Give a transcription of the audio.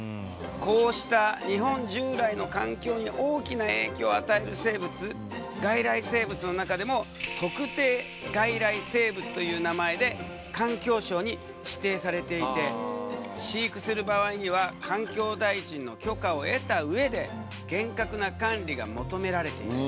こうした日本従来の環境に大きな影響を与える生物外来生物の中でも特定外来生物という名前で環境省に指定されていて飼育する場合には環境大臣の許可を得た上で厳格な管理が求められている。